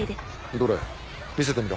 どれ見せてみろ。